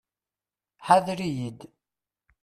Ḥeḍr iyid!